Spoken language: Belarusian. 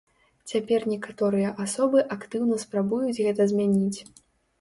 Цяпер некаторыя асобы актыўна спрабуюць гэта змяніць.